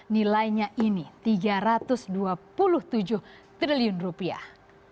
nilainya ini tiga ratus dua puluh tujuh triliun rupiah